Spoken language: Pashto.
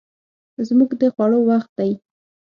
زموږ د خوړو وخت دی